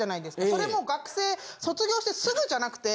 それも学生卒業してすぐじゃなくて。